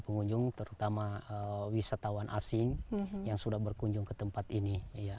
pengunjung terutama wisatawan asing yang sudah berkunjung ke tempat ini